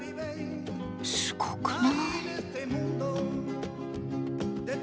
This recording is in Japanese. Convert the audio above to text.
すごくない？